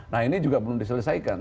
nah ini juga belum diselesaikan